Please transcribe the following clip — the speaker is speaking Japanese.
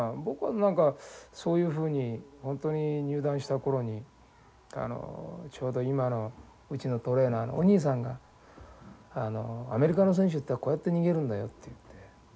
僕は何かそういうふうに本当に入団した頃にちょうど今のうちのトレーナーのおにいさんがアメリカの選手ってこうやって逃げるんだよって言って。